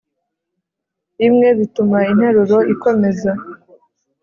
imwe bituma interuro ikomeza